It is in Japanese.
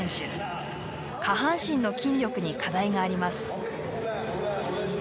下半身の筋力に課題があります。